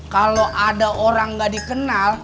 kalau ada orang nggak dikenal